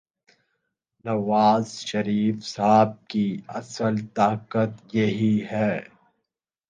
نوازشریف صاحب کی اصل طاقت یہی ہے۔